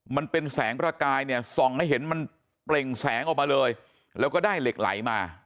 มันเป็นแสงประกายเนี่ยส่องให้เห็นมันเปล่งแสงออกมาเลยแล้วก็ได้เหล็กไหลมา